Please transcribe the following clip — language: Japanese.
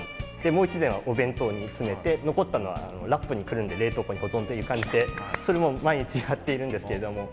もう一膳はお弁当に詰めて残ったのはラップにくるんで冷凍庫に保存という感じでそれを毎日やっているんですけれども。